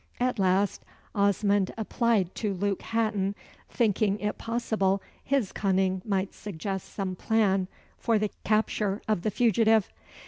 At last, Osmond applied to Luke Hatton, thinking it possible his cunning might suggest some plan for the capture of the fugitive.